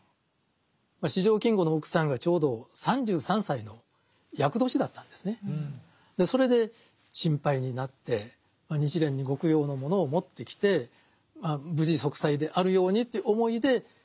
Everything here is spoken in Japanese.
四条金吾の奥さんがちょうどそれで心配になって日蓮にご供養のものを持ってきて無事息災であるようにという思いで持ってきた。